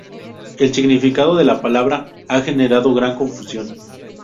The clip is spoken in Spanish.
El significado de la palabra ha generado gran confusión.